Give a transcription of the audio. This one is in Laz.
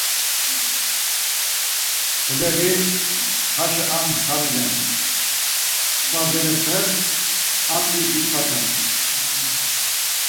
Feleği heşo ar muntxa ren çkva berepe, hatzi gitzvaten.